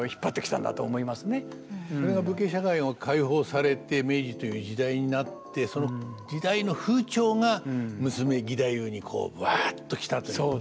それが武家社会が解放されて明治という時代になってその時代の風潮が娘義太夫にぶわっと来たということなのかもしれませんね。